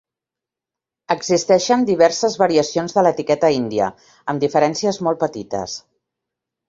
Existeixen diverses variacions de l"etiqueta "Índia" amb diferències molt petites.